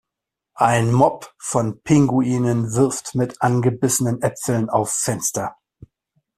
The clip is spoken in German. Ein Mob von Pinguinen wirft mit angebissenen Äpfeln auf Fenster.